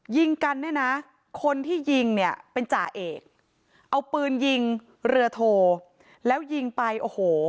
ยิงกันเนี่ยนะคนที่ยิงเนี่ยเป็นจ่าเอกเอาปืนยิงเรือโทแล้วยิงไปโอ้โห